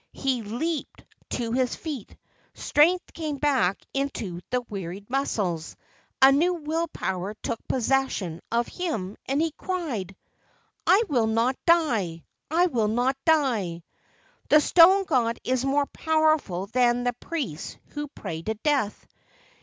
He leaped to his THE OLD MAN OF THE MOUNTAIN 83 feet, strength came back into the wearied muscles, a new will power took possession of him, and he cried: "I will not die! I will not die! The stone god is more powerful than the priests who pray to death!"